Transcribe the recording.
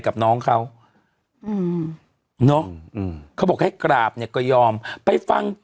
กับน้องเขาอืมเนอะอืมเขาบอกให้กราบเนี่ยก็ยอมไปฟัง